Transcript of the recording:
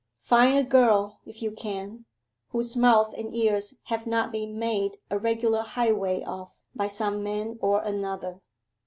Find a girl, if you can, whose mouth and ears have not been made a regular highway of by some man or another!